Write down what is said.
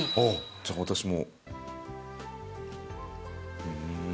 じゃあ私も。